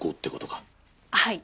はい。